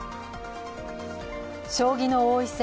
将棋の王位戦